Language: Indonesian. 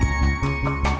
liat dong liat